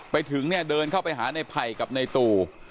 ไปถึงเนี่ยเดินเข้าไปหาในไผ่กับในตู่